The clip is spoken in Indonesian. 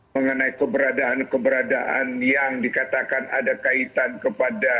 mengenai keberadaan keberadaan yang dikatakan ada kaitan kepada